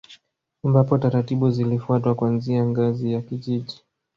Ambapo taratibu zilifuatwa kuanzia ngazi ya kijiji